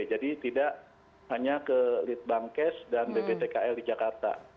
jadi tidak hanya ke litbangkes dan bbtkl di jakarta